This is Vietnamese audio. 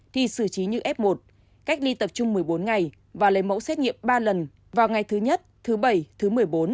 thi xử trí như f một cách ly tập trung một mươi bốn ngày và lấy mẫu xét nghiệm ba lần vào ngày thứ nhất thứ bảy thứ một mươi bốn